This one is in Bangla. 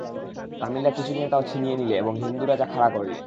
তামিলরা কিছুদিনে তাও ছিনিয়ে নিলে এবং হিন্দুরাজা খাড়া করলে।